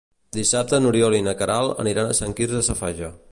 Dissabte n'Oriol i na Queralt aniran a Sant Quirze Safaja.